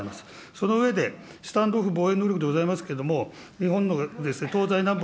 その上で、スタンド・オフ防衛能力でございますけれども、日本の東西南北